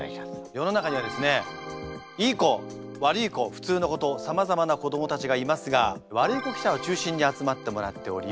世の中にはですねいい子悪い子普通の子とさまざまな子どもたちがいますがワルイコ記者を中心に集まってもらっております。